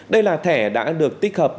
đây là thẻ đã được tích hợp